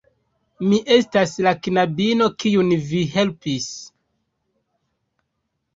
Mi estas la knabino kiun vi helpis